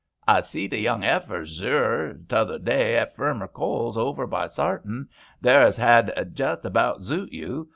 "I zeed a young 'eifer, zur, t'other day at Varmer Coles over by Sarton there as 'ad just about zute you.